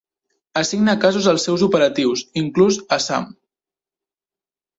Assigna casos als seus operatius, inclús a Sam.